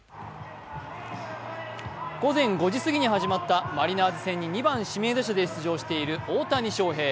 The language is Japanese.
午前５時すぎに始まったマリナーズ戦に２番・指名打者で出場している大谷翔平。